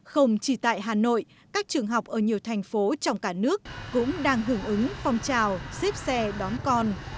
không chỉ tại hà nội các trường học ở nhiều thành phố trong cả nước cũng đang hưởng ứng phong trào xếp xe đón con